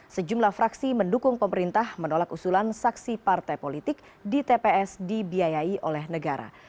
sejumlah fraksi mendukung pemerintah menolak usulan saksi partai politik di tps dibiayai oleh negara